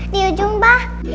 di ujung pa